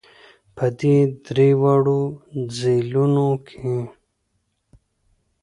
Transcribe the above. په دې درېواړو ځېلونو کې